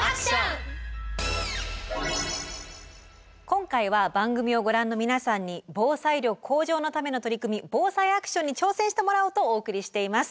今回は番組をご覧の皆さんに防災力向上のための取り組み「ＢＯＳＡＩアクション」に挑戦してもらおうとお送りしています。